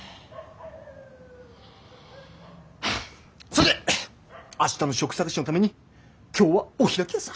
さて明日の職探しのために今日はお開きヤサ。